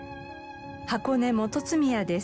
箱根元宮です。